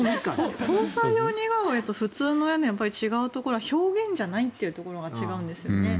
捜査用の似顔絵と普通の似顔絵で違うところは表現じゃないというところが違うんですね。